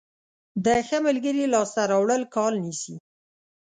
د ښه ملګري لاسته راوړل کال نیسي.